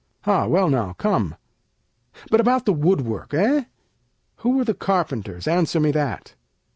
Ah, well now, come! But about the woodwork? Heh! Who were the carpenters? Answer me that!